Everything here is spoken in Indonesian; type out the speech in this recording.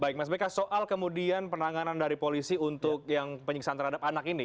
baik mas beka soal kemudian penanganan dari polisi untuk yang penyiksaan terhadap anak ini